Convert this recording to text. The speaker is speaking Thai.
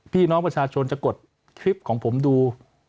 พี่น้องประชาชนจะกดคลิปของผมดู